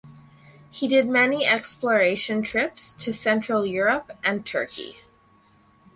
He did many exploration trips to Central Europe and Turkey.